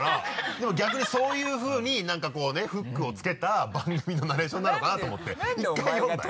でも逆にそういうふうに何かこうねフックを付けた番組のナレーションなのかなと思って１回読んだよ。